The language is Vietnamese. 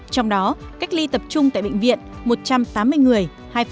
trong đó cách ly tập trung tại bệnh viện một trăm tám mươi người hai